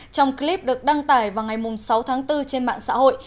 trong clip được đăng tải vào ngày sáu tháng bốn trên mạng xã hội